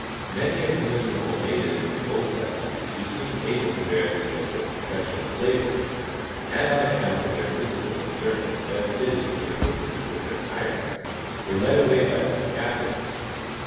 Many of the miserable natives of both sexes who seemed able to bear the yoke of perpetual slavery, and on account of their physical endurance best fitted for the purposes of their tyrants, were led away hj them captives.